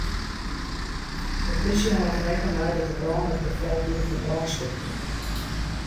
De plysje hâldt der rekken mei dat de brân it gefolch wie fan brânstichting.